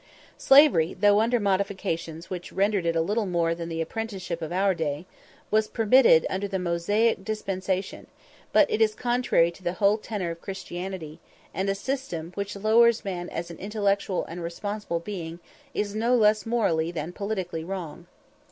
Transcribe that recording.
Slavery, though under modifications which rendered it little more than the apprenticeship of our day, was permitted under the Mosaic dispensation; but it is contrary to the whole tenor of Christianity; and a system which lowers man as an intellectual and responsible being is no less morally than politically wrong.